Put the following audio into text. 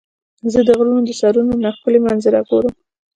زه د غرونو د سرونو نه ښکلي منظره ګورم.